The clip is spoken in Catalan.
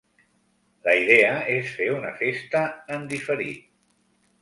La idea és fer una festa en diferit.